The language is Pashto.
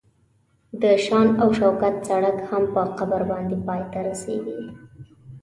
د شان او شوکت سړک هم په قبر باندې پای ته رسیږي.